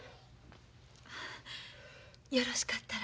よろしかったら。